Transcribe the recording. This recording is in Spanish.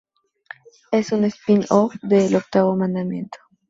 Es un spin-off de "El octavo mandamiento".